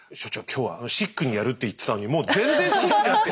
今日はシックにやる」って言ってたのにもう全然シックじゃなくて。